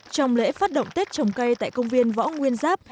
trong lễ phát động tết trồng cây tại công viên võ nguyên giáp